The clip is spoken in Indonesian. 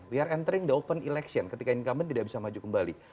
wear entering the open election ketika incumbent tidak bisa maju kembali